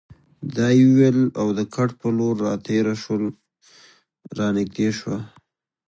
دا یې وویل او د کټ په لور راتېره شول، را نږدې شوه.